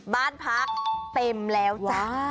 บ้านพักเต็มแล้วจ้า